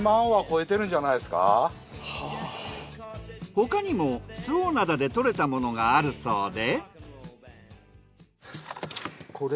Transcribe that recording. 他にも周防灘で獲れたものがあるそうで。